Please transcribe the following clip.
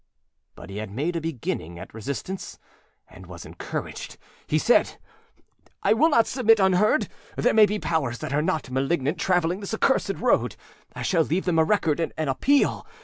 But he had made a beginning at resistance and was encouraged. He said: âI will not submit unheard. There may be powers that are not malignant traveling this accursed road. I shall leave them a record and an appeal.